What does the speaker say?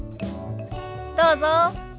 どうぞ。